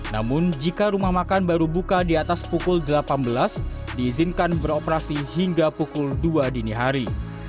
namun jika rumah makan baru buka di atas pukul delapan belas diizinkan beroperasi hingga pukul dua dini hari